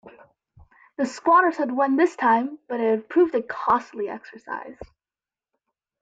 The squatters had won this time, but it had proved a costly exercise.